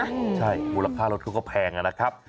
ใช่มูลค่ารถเขาก็แพงนะครับ